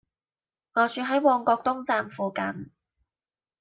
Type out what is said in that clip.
我住喺旺角東站附近